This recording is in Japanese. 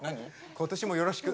今年もよろしく。